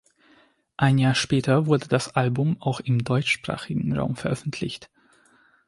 Ein Jahr später wurde das Album auch im deutschsprachigen Raum veröffentlicht.